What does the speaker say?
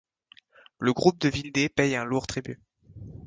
Le groupe de Vildé paye un lourd tribut.